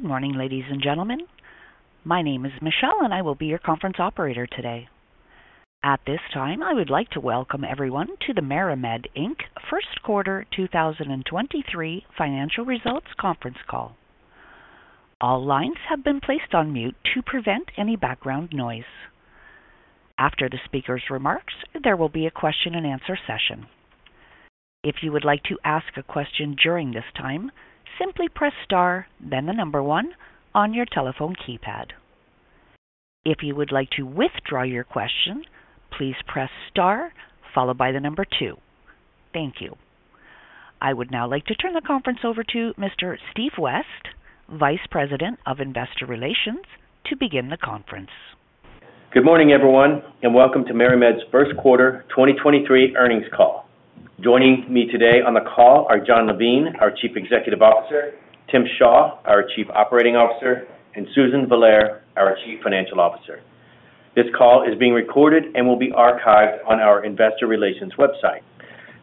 Good morning, ladies and gentlemen. My name is Michelle, and I will be your conference operator today. At this time, I would like to welcome everyone to the MariMed Inc. First Quarter 2023 financial results conference call. All lines have been placed on mute to prevent any background noise. After the speaker's remarks, there will be a question-and-answer session. If you would like to ask a question during this time, simply press star, then the number one on your telephone keypad. If you would like to withdraw your question, please press star followed by the number two. Thank you. I would now like to turn the conference over to Mr. Steve West, Vice President of Investor Relations, to begin the conference. Good morning, everyone, and welcome to MariMed's first quarter 2023 earnings call. Joining me today on the call are Jon Levine, our Chief Executive Officer, Tim Shaw, our Chief Operating Officer, and Susan Villare, our Chief Financial Officer. This call is being recorded and will be archived on our investor relations website.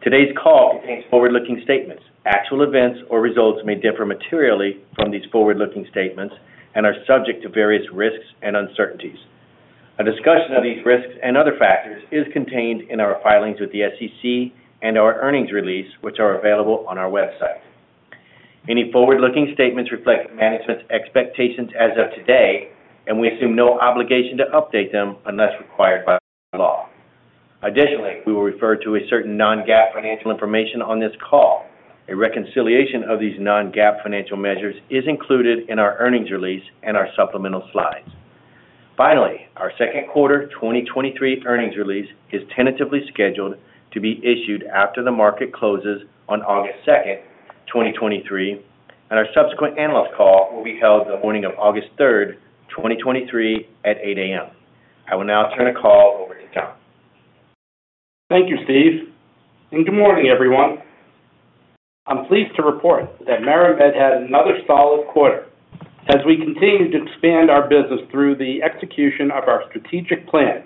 Today's call contains forward-looking statements. Actual events or results may differ materially from these forward-looking statements and are subject to various risks and uncertainties. A discussion of these risks and other factors is contained in our filings with the SEC and our earnings release, which are available on our website. Any forward-looking statements reflect management's expectations as of today, and we assume no obligation to update them unless required by law. Additionally, we will refer to a certain Non-GAAP financial information on this call. A reconciliation of these Non-GAAP financial measures is included in our earnings release and our supplemental slides. Our second quarter 2023 earnings release is tentatively scheduled to be issued after the market closes on August 2nd, 2023, and our subsequent analyst call will be held the morning of August 3rd, 2023 at 8:00 A.M. I will now turn the call over to Jon. Thank you, Steve. Good morning, everyone. I'm pleased to report that MariMed had another solid quarter as we continue to expand our business through the execution of our strategic plan.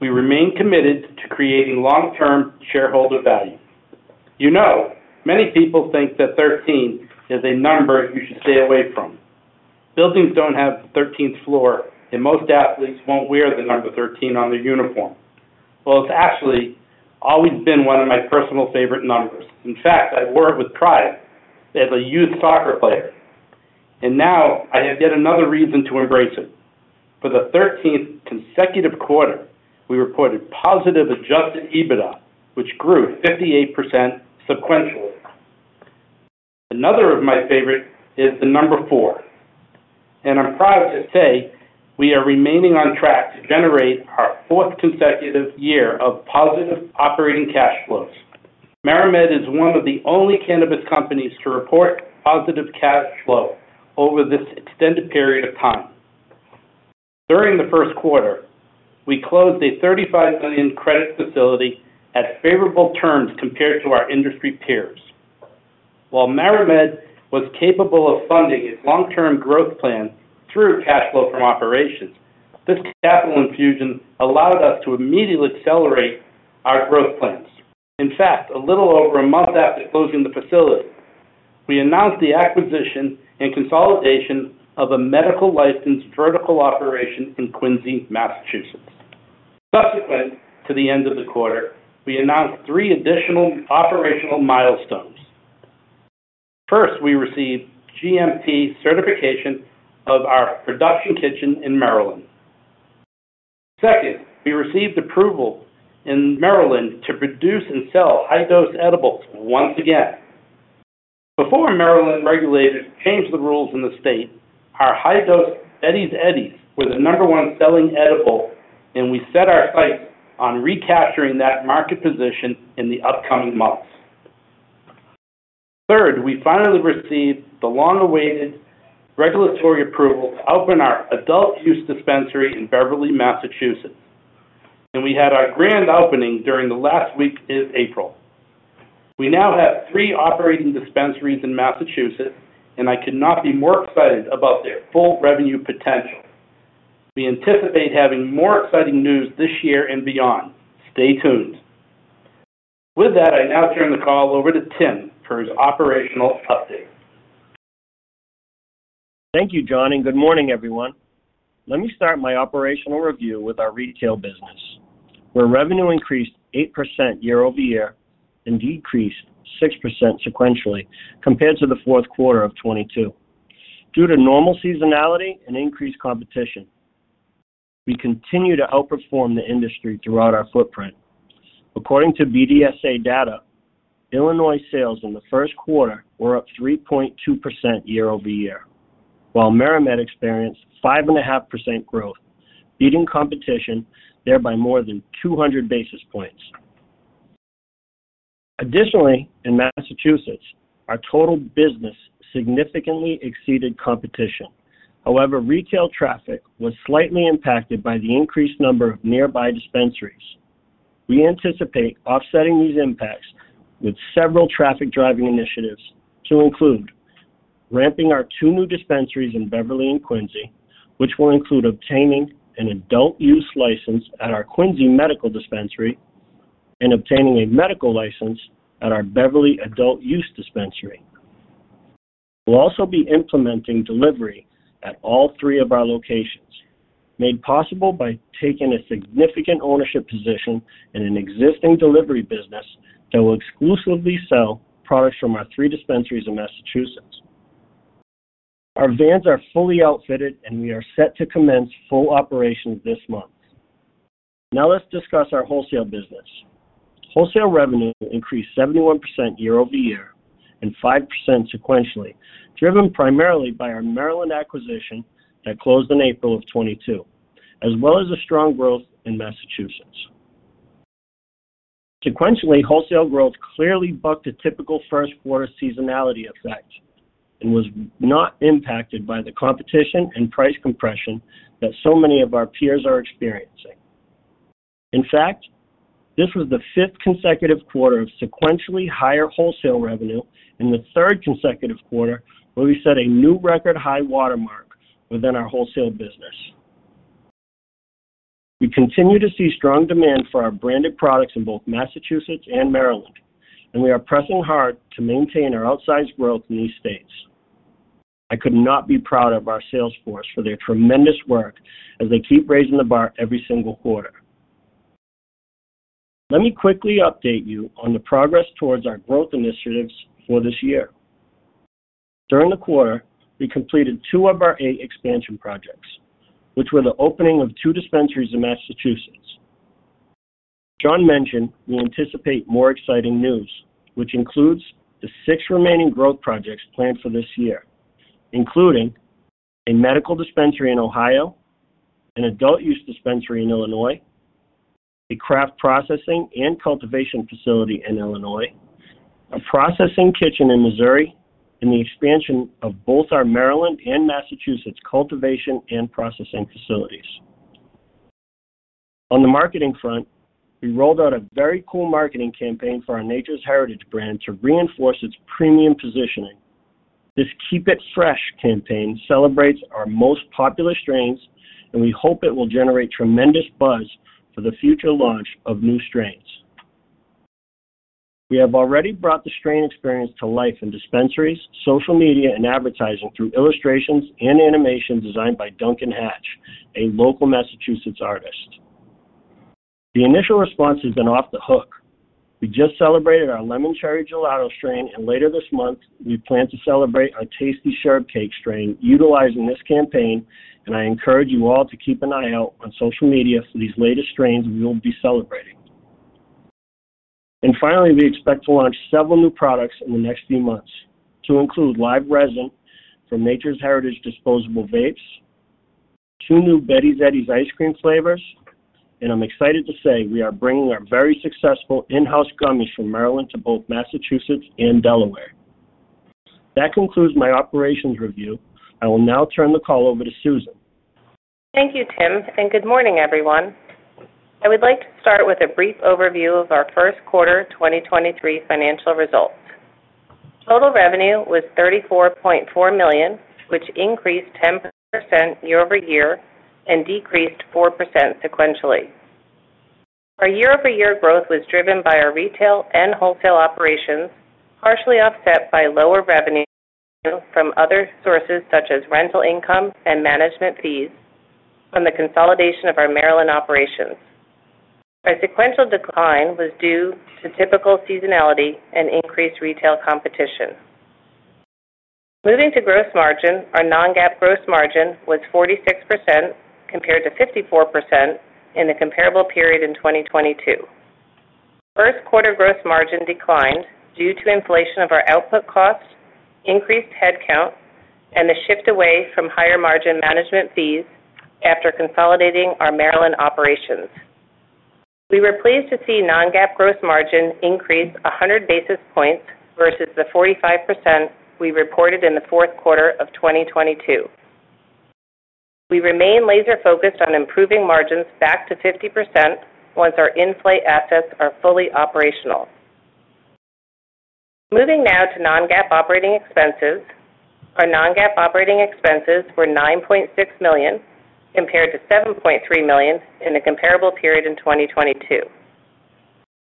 We remain committed to creating long-term shareholder value. You know, many people think that 13 is a number you should stay away from. Buildings don't have the 13th floor, and most athletes won't wear the number 13 on their uniform. Well, it's actually always been one of my personal favorite numbers. In fact, I wore it with pride as a youth soccer player, and now I have yet another reason to embrace it. For the 13th consecutive quarter, we reported positive adjusted EBITDA, which grew 58% sequentially. Another of my favorite is the number four, and I'm proud to say we are remaining on track to generate our 4th consecutive year of positive operating cash flows. MariMed is one of the only cannabis companies to report positive cash flow over this extended period of time. During the first quarter, we closed a $35 million credit facility at favorable terms compared to our industry peers. While MariMed was capable of funding its long-term growth plan through cash flow from operations, this capital infusion allowed us to immediately accelerate our growth plans. In fact, a little over a month after closing the facility, we announced the acquisition and consolidation of a medical-licensed vertical operation in Quincy, Massachusetts. Subsequent to the end of the quarter, we announced three additional operational milestones. First, we received GMP certification of our production kitchen in Maryland. Second, we received approval in Maryland to produce and sell high-dose edibles once again. Before Maryland regulators changed the rules in the state, our high-dose Betty's Eddies were the number-one-selling edible. We set our sights on recapturing that market position in the upcoming months. Third, we finally received the long-awaited regulatory approval to open our adult use dispensary in Beverly, Massachusetts. We had our grand opening during the last week in April. We now have three operating dispensaries in Massachusetts. I could not be more excited about their full revenue potential. We anticipate having more exciting news this year and beyond. Stay tuned. With that, I now turn the call over to Tim for his operational update. Thank you, Jon. Good morning, everyone. Let me start my operational review with our retail business, where revenue increased 8% year-over-year and decreased 6% sequentially compared to the fourth quarter of 2022. Due to normal seasonality and increased competition, we continue to outperform the industry throughout our footprint. According to BDSA data, Illinois sales in the first quarter were up 3.2% year-over-year, while MariMed experienced 5.5% growth, beating competition thereby more than 200 basis points. In Massachusetts, our total business significantly exceeded competition. Retail traffic was slightly impacted by the increased number of nearby dispensaries. We anticipate offsetting these impacts with several traffic-driving initiatives to include ramping our two new dispensaries in Beverly and Quincy, which will include obtaining an adult use license at our Quincy medical dispensary. Obtaining a medical license at our Beverly adult-use dispensary. We'll also be implementing delivery at all three of our locations, made possible by taking a significant ownership position in an existing delivery business that will exclusively sell products from our three dispensaries in Massachusetts. Our vans are fully outfitted, and we are set to commence full operations this month. Now let's discuss our wholesale business. Wholesale revenue increased 71% year-over-year and 5% sequentially, driven primarily by our Maryland acquisition that closed in April of 2022, as well as a strong growth in Massachusetts. Sequentially, wholesale growth clearly bucked a typical first quarter seasonality effect and was not impacted by the competition and price compression that so many of our peers are experiencing. In fact, this was the fifth consecutive quarter of sequentially higher wholesale revenue and the third consecutive quarter where we set a new record high watermark within our wholesale business. We continue to see strong demand for our branded products in both Massachusetts and Maryland. We are pressing hard to maintain our outsized growth in these states. I could not be prouder of our sales force for their tremendous work as they keep raising the bar every single quarter. Let me quickly update you on the progress towards our growth initiatives for this year. During the quarter, we completed two of our eight expansion projects, which were the opening of two dispensaries in Massachusetts. Jon mentioned we anticipate more exciting news, which includes the six remaining growth projects planned for this year, including a medical dispensary in Ohio, an adult-use dispensary in Illinois, a craft processing and cultivation facility in Illinois, a processing kitchen in Missouri, and the expansion of both our Maryland and Massachusetts cultivation and processing facilities. On the marketing front, we rolled out a very cool marketing campaign for our Nature's Heritage brand to reinforce its premium positioning. This Keep It Fresh campaign celebrates our most popular strains, and we hope it will generate tremendous buzz for the future launch of new strains. We have already brought the strain experience to life in dispensaries, social media, and advertising through illustrations and animations designed by Duncan Hatch, a local Massachusetts artist. The initial response has been off the hook. We just celebrated our Lemon Cherry Gelato strain. Later this month, we plan to celebrate our tasty Sherbet Cake strain utilizing this campaign. I encourage you all to keep an eye out on social media for these latest strains we will be celebrating. Finally, we expect to launch several new products in the next few months to include live resin from Nature's Heritage disposable vapes, two new Betty's Eddies ice cream flavors, and I'm excited to say we are bringing our very successful in-house gummies from Maryland to both Massachusetts and Delaware. That concludes my operations review. I will now turn the call over to Susan. Thank you, Tim. Good morning, everyone. I would like to start with a brief overview of our first quarter of 2023 financial results. Total revenue was $34.4 million, which increased 10% year-over-year and decreased 4% sequentially. Our year-over-year growth was driven by our retail and wholesale operations, partially offset by lower revenue from other sources such as rental income and management fees from the consolidation of our Maryland operations. Our sequential decline was due to typical seasonality and increased retail competition. Moving to gross margin, our Non-GAAP gross margin was 46% compared to 54% in the comparable period in 2022. First quarter gross margin declined due to inflation of our output costs, increased headcount, and the shift away from higher-margin management fees after consolidating our Maryland operations. We were pleased to see Non-GAAP gross margin increase 100 basis points versus the 45% we reported in the fourth quarter of 2022. We remain laser-focused on improving margins back to 50% once our in-flight assets are fully operational. Moving now to Non-GAAP operating expenses. Our Non-GAAP operating expenses were $9.6 million compared to $7.3 million in the comparable period in 2022.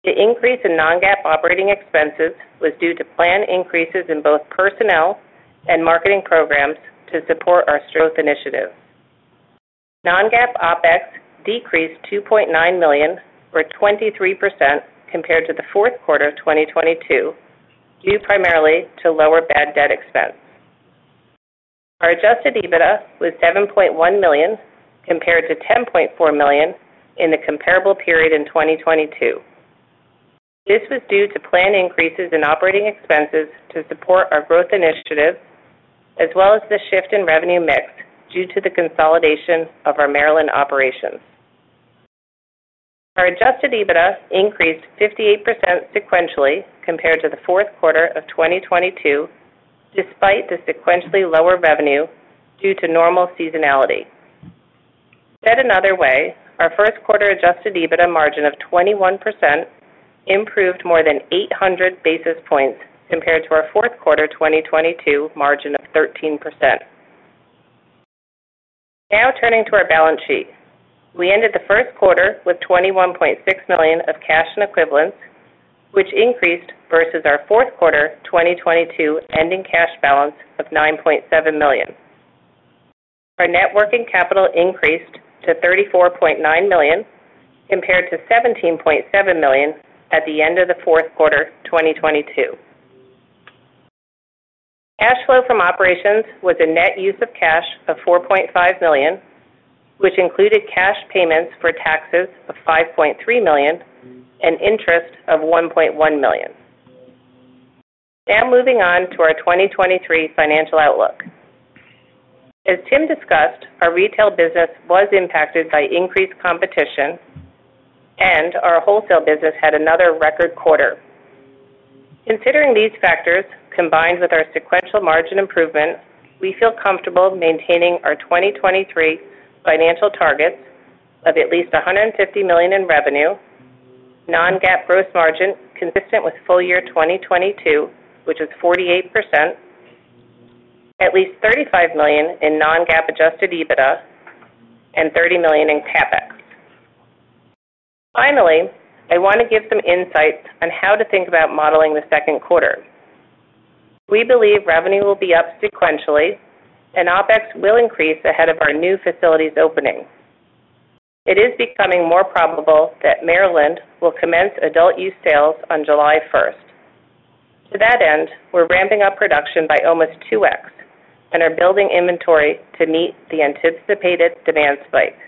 The increase in Non-GAAP operating expenses was due to planned increases in both personnel and marketing programs to support our growth initiative. Non-GAAP OpEx decreased $2.9 million or 23% compared to the fourth quarter of 2022, due primarily to lower bad debt expense. Our adjusted EBITDA was $7.1 million compared to $10.4 million in the comparable period in 2022. This was due to planned increases in operating expenses to support our growth initiative as well as the shift in revenue mix due to the consolidation of our Maryland operations. Our adjusted EBITDA increased 58% sequentially compared to the fourth quarter of 2022, despite the sequentially lower revenue due to normal seasonality. Said another way, our first quarter adjusted EBITDA margin of 21% improved more than 800 basis points compared to our fourth quarter of 2022 margin of 13%. Now turning to our balance sheet. We ended the first quarter with $21.6 million of cash and equivalents, which increased versus our fourth quarter 2022 ending cash balance of $9.7 million. Our net working capital increased to $34.9 million compared to $17.7 million at the end of the fourth quarter 2022. Cash flow from operations was a net use of cash of $4.5 million, which included cash payments for taxes of $5.3 million and interest of $1.1 million. Moving on to our 2023 financial outlook. As Tim discussed, our retail business was impacted by increased competition and our wholesale business had another record quarter. Considering these factors, combined with our sequential margin improvement, we feel comfortable maintaining our 2023 financial targets of at least $150 million in revenue, Non-GAAP gross margin consistent with full year 2022, which is 48%, at least $35 million in Non-GAAP adjusted EBITDA and $30 million in CapEx. I want to give some insights on how to think about modeling the second quarter. We believe revenue will be up sequentially and OpEx will increase ahead of our new facilities opening. It is becoming more probable that Maryland will commence adult use sales on July 1st. To that end, we're ramping up production by almost 2x and are building inventory to meet the anticipated demand spike.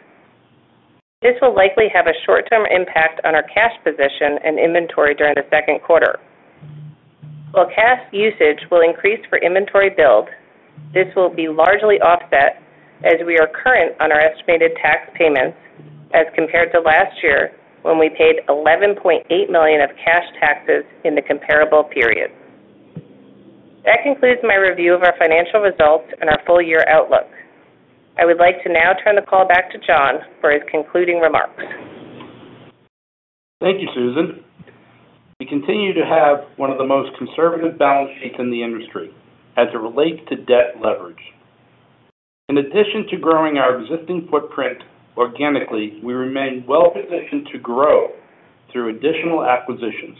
This will likely have a short-term impact on our cash position and inventory during the second quarter. While cash usage will increase for inventory build, this will be largely offset as we are current on our estimated tax payments as compared to last year when we paid $11.8 million of cash taxes in the comparable period. That concludes my review of our financial results and our full year outlook. I would like to now turn the call back to Jon for his concluding remarks. Thank you, Susan. We continue to have one of the most conservative balance sheets in the industry as it relates to debt leverage. In addition to growing our existing footprint organically, we remain well-positioned to grow through additional acquisitions.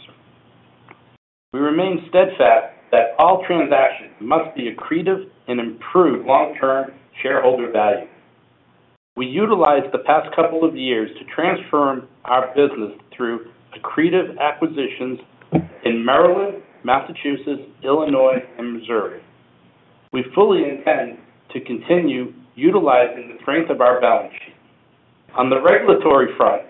We remain steadfast that all transactions must be accretive and improve long-term shareholder value. We utilized the past two years to transform our business through accretive acquisitions in Maryland, Massachusetts, Illinois, and Missouri. We fully intend to continue utilizing the strength of our balance sheet. On the regulatory front,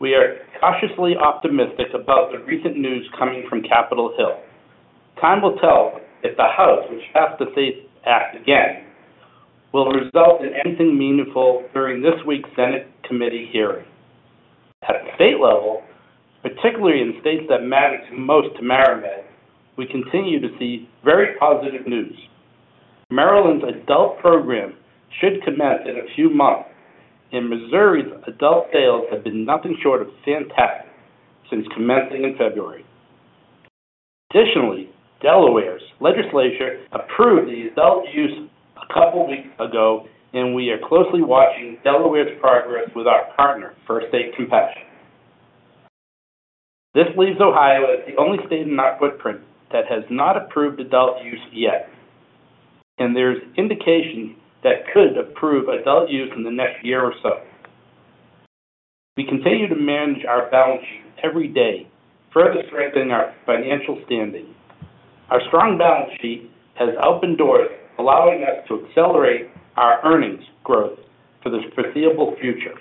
we are cautiously optimistic about the recent news coming from Capitol Hill. Time will tell if the House, which passed the SAFE Act again, will result in anything meaningful during this week's Senate committee hearing. At state level, particularly in states that matter most to MariMed, we continue to see very positive news. Maryland's adult program should commence in a few months, and Missouri's adult sales have been nothing short of fantastic since commencing in February. Additionally, Delaware's legislature approved the adult use a couple weeks ago, and we are closely watching Delaware's progress with our partner for First State Compassion. This leaves Ohio as the only state in our footprint that has not approved adult use yet. There's indication that could approve adult use in the next year or so. We continue to manage our balance sheet every day, further strengthening our financial standing. Our strong balance sheet has opened doors, allowing us to accelerate our earnings growth for the foreseeable future.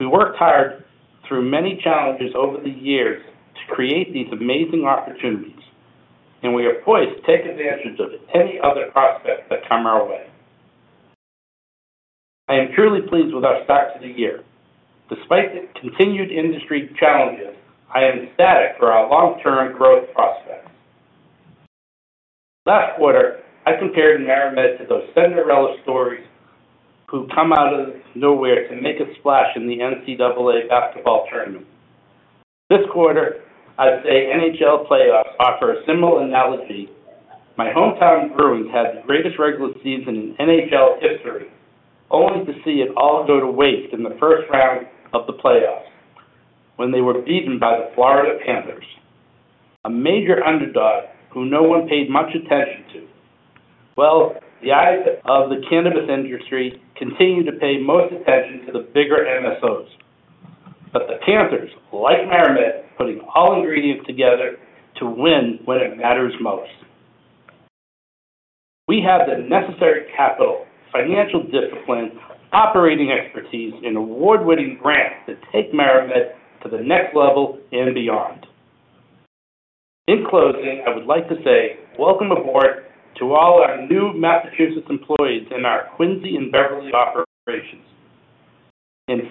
We worked hard through many challenges over the years to create these amazing opportunities, and we are poised to take advantage of any other prospects that come our way. I am truly pleased with our start to the year. Despite the continued industry challenges, I am ecstatic for our long-term growth prospects. Last quarter, I compared MariMed to those Cinderella stories who come out of nowhere to make a splash in the NCAA basketball tournament. This quarter, I'd say NHL playoffs offer a similar analogy. My hometown Bruins had the greatest regular season in NHL history, only to see it all go to waste in the first round of the playoffs when they were beaten by the Florida Panthers, a major underdog who no one paid much attention to. Well, the eyes of the cannabis industry continue to pay most attention to the bigger MSOs. The Panthers, like MariMed, putting all ingredients together to win when it matters most. We have the necessary capital, financial discipline, operating expertise and award-winning grants to take MariMed to the next level and beyond. In closing, I would like to say welcome aboard to all our new Massachusetts employees in our Quincy and Beverly operations.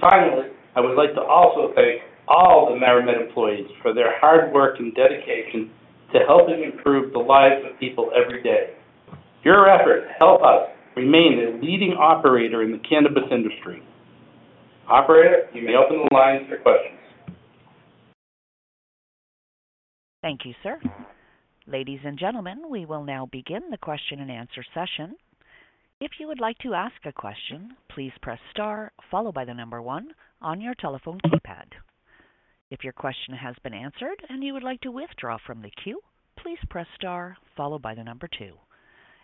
Finally, I would like to also thank all the MariMed employees for their hard work and dedication to helping improve the lives of people every day. Your efforts help us remain the leading operator in the cannabis industry. Operator, you may open the line for questions. Thank you, sir. Ladies and gentlemen, we will now begin the question and answer session. If you would like to ask a question, please press star followed by the number one on your telephone keypad. If your question has been answered and you would like to withdraw from the queue, please press star followed by the number two.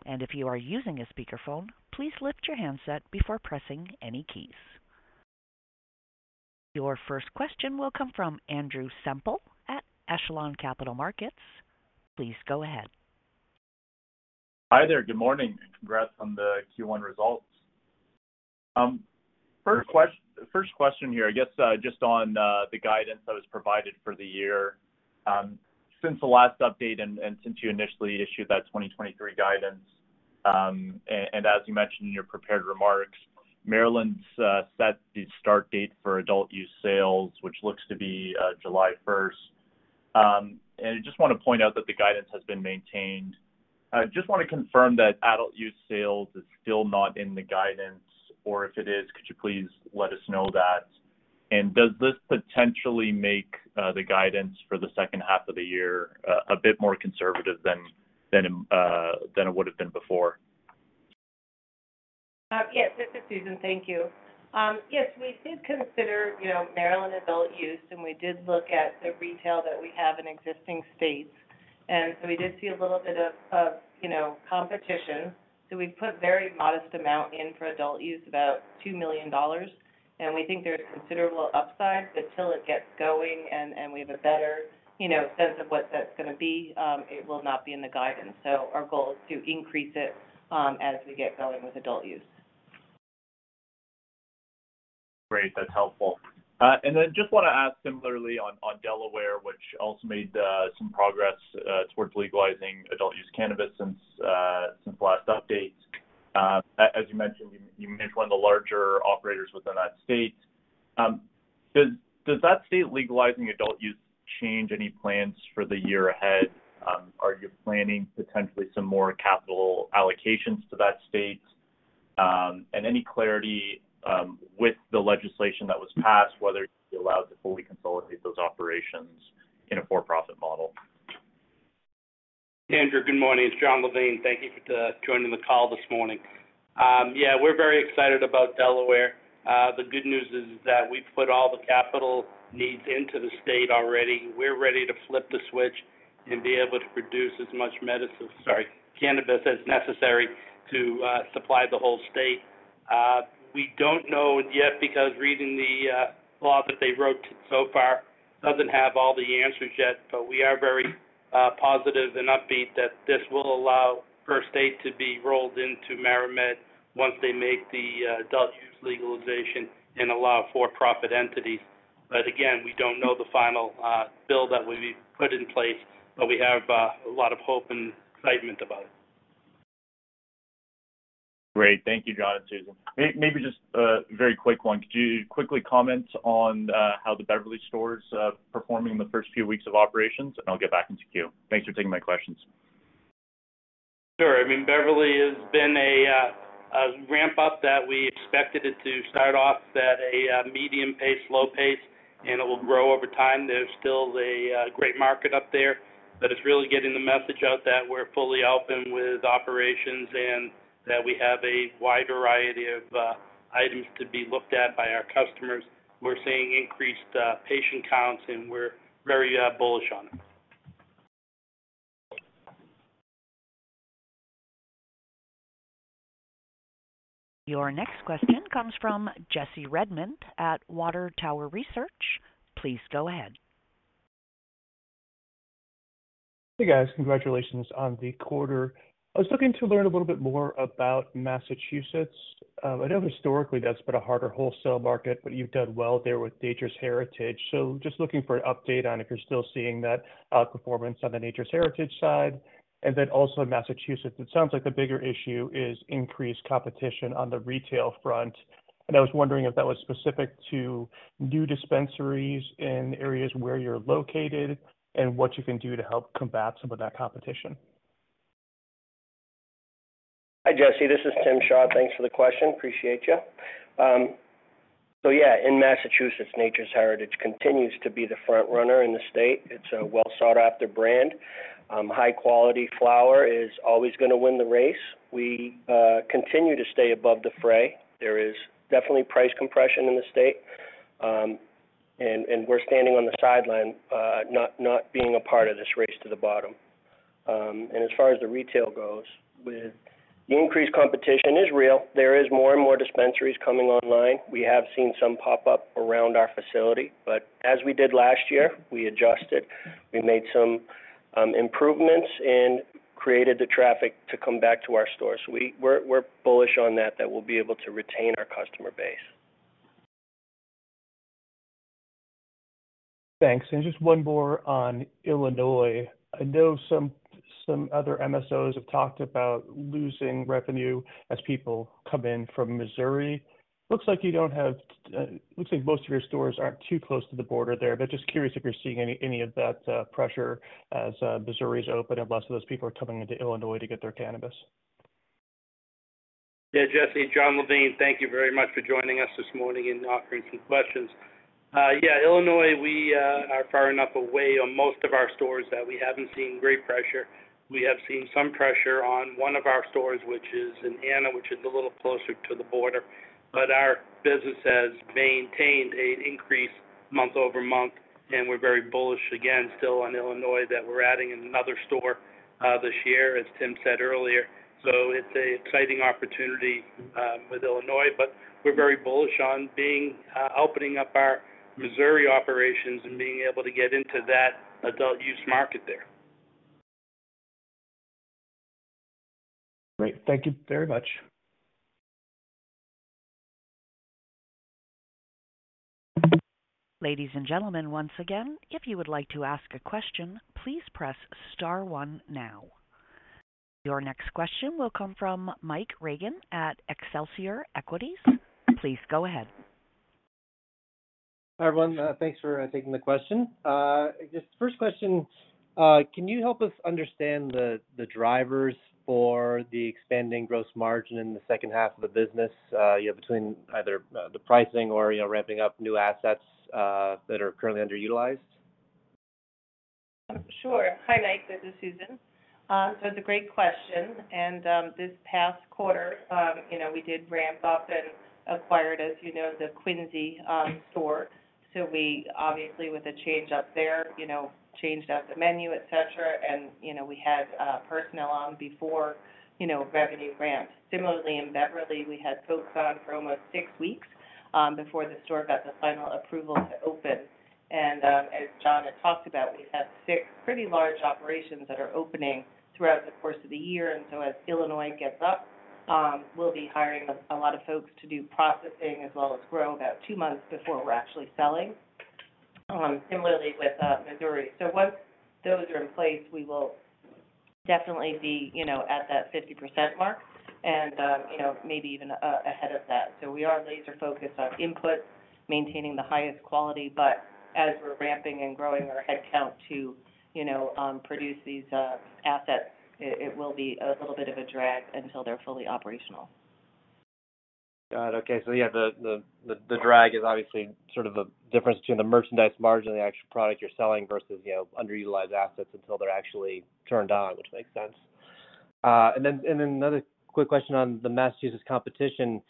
If you are using a speakerphone, please lift your handset before pressing any keys. Your first question will come from Andrew Semple at Echelon Capital Markets. Please go ahead. Hi there. Good morning, and congrats on the Q1 results. First question here, I guess, just on the guidance that was provided for the year. Since the last update and since you initially issued that 2023 guidance, and as you mentioned in your prepared remarks, Maryland's set the start date for adult use sales, which looks to be July first. I just want to point out that the guidance has been maintained. I just want to confirm that adult use sales is still not in the guidance, or if it is, could you please let us know that? Does this potentially make the guidance for the second half of the year a bit more conservative than it would have been before? Yes, this is Susan. Thank you. Yes, we did consider, you know, Maryland adult use. We did look at the retail that we have in existing states. We did see a little bit of, you know, competition. We put very modest amount in for adult use, about $2 million. We think there's considerable upside, but till it gets going and we have a better, you know, sense of what that's gonna be, it will not be in the guidance. Our goal is to increase it, as we get going with adult use. Great. That's helpful. Then just wanna ask similarly on Delaware, which also made some progress towards legalizing adult use cannabis since the last update. As you mentioned, you mentioned one of the larger operators within that state. Does that state legalizing adult use change any plans for the year ahead? Are you planning potentially some more capital allocations to that state? Any clarity with the legislation that was passed, whether you'll be allowed to fully consolidate those operations in a for-profit model? Andrew, good morning. It's Jon Levine. Thank you for joining the call this morning. Yeah, we're very excited about Delaware. The good news is that we've put all the capital needs into the state already. We're ready to flip the switch and be able to produce as much cannabis as necessary to supply the whole state. We don't know yet because reading the law that they wrote so far doesn't have all the answers yet, but we are very positive and upbeat that this will allow First State to be rolled into MariMed once they make the adult-use legalization and allow for-profit entities. Again, we don't know the final bill that will be put in place, but we have a lot of hope and excitement about it. Great. Thank you, Jon and Susan. Maybe just a very quick one. Could you quickly comment on how the Beverly store is performing in the first few weeks of operations? I'll get back into queue. Thanks for taking my questions. Sure. I mean, Beverly has been a ramp-up that we expected it to start off at a medium pace, slow pace, and it will grow over time. There's still a great market up there, but it's really getting the message out that we're fully open with operations and that we have a wide variety of items to be looked at by our customers. We're seeing increased patient counts, and we're very bullish on it. Your next question comes from Jesse Redmond at Water Tower Research. Please go ahead. Hey, guys. Congratulations on the quarter. I was looking to learn a little bit more about Massachusetts. I know historically that's been a harder wholesale market, but you've done well there with Nature's Heritage. Just looking for an update on if you're still seeing that performance on the Nature's Heritage side. Also in Massachusetts, it sounds like the bigger issue is increased competition on the retail front. I was wondering if that was specific to new dispensaries in areas where you're located and what you can do to help combat some of that competition. Hi, Jesse. This is Tim Shaw. Thanks for the question. Appreciate you. Yeah, in Massachusetts, Nature's Heritage continues to be the front runner in the state. It's a well sought-after brand. High-quality flower is always gonna win the race. We continue to stay above the fray. There is definitely price compression in the state, and we're standing on the sideline, not being a part of this race to the bottom. As far as the retail goes, with the increased competition is real. There is more and more dispensaries coming online. We have seen some pop up around our facility, but as we did last year, we adjusted. We made some improvements and created the traffic to come back to our stores. We're bullish on that we'll be able to retain our customer base. Thanks. Just one more on Illinois. I know some other MSOs have talked about losing revenue as people come in from Missouri. Looks like you don't have, looks like most of your stores aren't too close to the border there. Just curious if you're seeing any of that pressure as Missouri is open and lots of those people are coming into Illinois to get their cannabis. Yeah, Jesse, Jon Levine, thank you very much for joining us this morning and offering some questions. Yeah, Illinois, we are far enough away on most of our stores that we haven't seen great pressure. We have seen some pressure on one of our stores, which is in Anna, which is a little closer to the border. Our business has maintained an increase month-over-month, and we're very bullish again, still on Illinois that we're adding another store this year, as Tim said earlier. It's an exciting opportunity with Illinois, but we're very bullish on being opening up our Missouri operations and being able to get into that adult use market there. Great. Thank you very much. Ladies and gentlemen, once again, if you would like to ask a question, please press star one now. Your next question will come from Mike Regan at Excelsior Equities. Please go ahead. Hi, everyone. Thanks for taking the question. I guess the first question, can you help us understand the drivers for the expanding gross margin in the second half of the business, between either the pricing or ramping up new assets, that are currently underutilized? Sure. Hi, Mike, this is Susan. It's a great question. This past quarter, you know, we did ramp up and acquired, as you know, the Quincy store. We obviously, with the change up there, you know, changed out the menu, etc. We had personnel on before, you know, revenue ramps. Similarly, in Beverly, we had folks on for almost six weeks before the store got the final approval to open. As Jon had talked about, we have six pretty large operations that are opening throughout the course of the year. As Illinois gets up, we'll be hiring a lot of folks to do processing as well as grow about two months before we're actually selling. Similarly with Missouri. Once those are in place, we will definitely be, you know, at that 50% mark and, you know, maybe even ahead of that. We are laser-focused on input, maintaining the highest quality. As we're ramping and growing our headcount to, you know, produce these assets, it will be a little bit of a drag until they're fully operational. Got it. Okay. Yeah, the drag is obviously sort of a difference between the merchandise margin and the actual product you're selling versus, you know, underutilized assets until they're actually turned on, which makes sense. Then another quick question on the Massachusetts competition.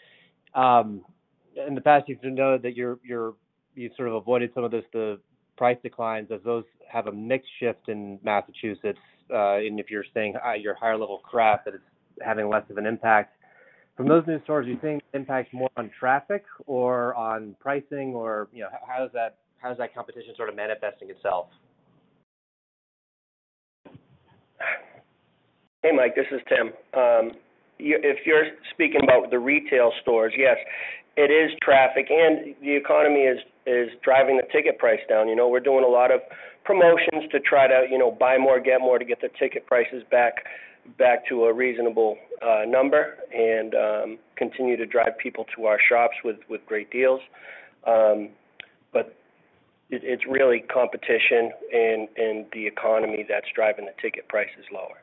In the past, you've noted that you sort of avoided some of this, the price declines. Does those have a mix shift in Massachusetts? If you're saying your higher level craft, that it's having less of an impact. From those new stores, do you think impact more on traffic or on pricing or, you know, how is that competition sort of manifesting itself? Hey, Mike, this is Tim. If you're speaking about the retail stores, yes, it is traffic and the economy is driving the ticket price down. You know, we're doing a lot of promotions to try to, you know, buy more, get more to get the ticket prices back to a reasonable number and continue to drive people to our shops with great deals. It's really competition and the economy that's driving the ticket prices lower.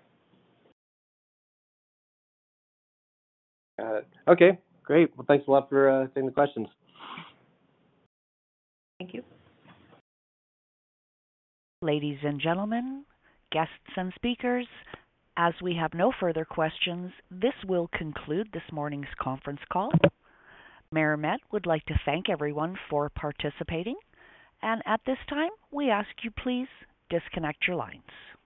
Got it. Okay, great. Well, thanks a lot for taking the questions. Thank you. Ladies and gentlemen, guests and speakers, as we have no further questions, this will conclude this morning's conference call. MariMed would like to thank everyone for participating. At this time, we ask you, please disconnect your lines.